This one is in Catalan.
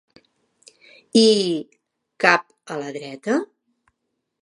I cap a la dreta?